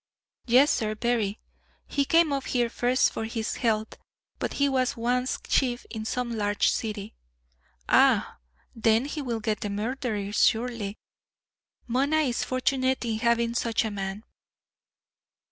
"Yes, sir, very. He came up here first for his health; but he was once chief in some large city." "Ah, then he will get the murderer surely. Mona is fortunate in having such a man."